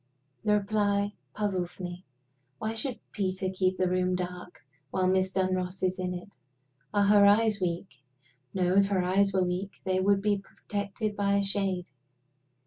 The reply puzzles me. Why should Peter keep the room dark while Miss Dunross is in it? Are her eyes weak? No; if her eyes were weak, they would be protected by a shade.